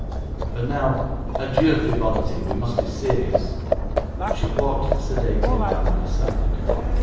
But now, adieu frivolity, we must be serious,' and she walked sedately by my side.